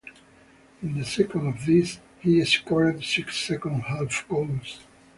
In the second of these, he scored six second half goals.